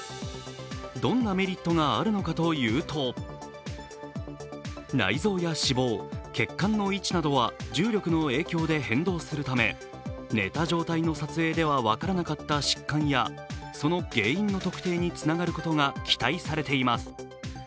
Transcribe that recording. どんなメリットがあるのかというと、内臓や脂肪、血管の位置などは重力の影響などで変動するため寝た状態の撮影では分からなかった疾患やその原因の特定につながることが期待されています。